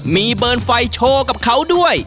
มีเบนไฟโชกับเขาด้วย